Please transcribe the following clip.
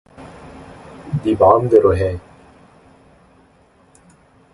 네 마음대로 해.